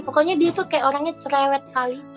pokoknya dia tuh kayak orangnya cerewet sekali